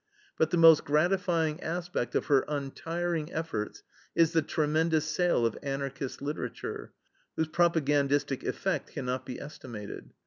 But the most gratifying aspect of her untiring efforts is the tremendous sale of Anarchist literature, whose propagandist effect cannot be estimated.